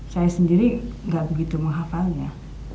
saya sendiri nggak begitu menghafalnya